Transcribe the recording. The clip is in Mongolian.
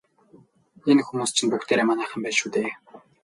Энэ хүмүүс чинь бүгдээрээ манайхан байна шүү дээ.